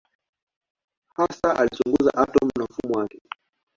Hasa alichunguza atomu na mfumo wake.